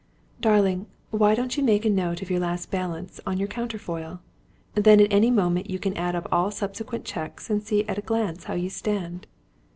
"Darling, why don't you make a note of your last balance on your counterfoil? Then at any moment you can add up all subsequent cheques and see at a glance how you stand."